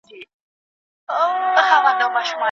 خپل قفس د خیراتونو دسترخوان ته